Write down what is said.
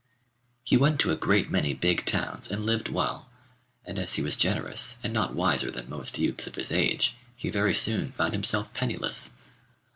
He went to a great many big towns and lived well, and as he was generous and not wiser than most youths of his age, he very soon found himself penniless.